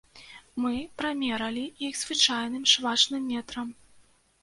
Мы прамералі іх звычайным швачным метрам.